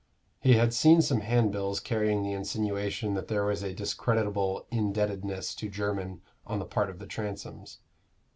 He had seen some handbills carrying the insinuation that there was a discreditable indebtedness to Jermyn on the part of the Transomes.